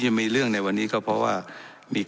และยังเป็นประธานกรรมการอีก